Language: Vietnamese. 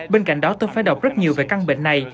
bên cạnh đó tôi phải đọc rất nhiều về căn bệnh này